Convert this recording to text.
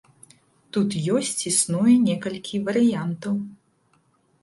Тут ёсць існуе некалькі варыянтаў.